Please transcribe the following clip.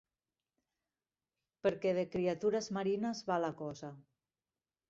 Perquè de criatures marines va la cosa.